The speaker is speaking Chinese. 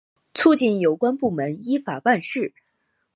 促进有关部门依法办事